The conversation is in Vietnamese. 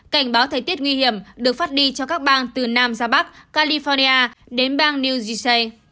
cảnh báo thời tiết nguy hiểm được phát đi cho các bang từ nam ra bắc california đến bang new zecha